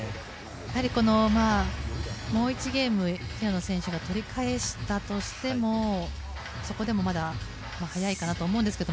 やはり、もう１ゲーム平野選手が取り返したとしてもそこでもまだ早いかなと思うんですけど。